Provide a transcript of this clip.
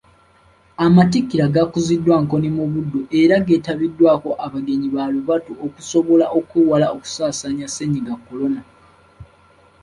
Amatikkira gakuziddwa Nkoni mu Buddu era geetabiddwako abagenyi baalubatu okusobola okwewala okusaasaanya Ssennyiga kolona.